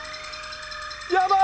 やばーい！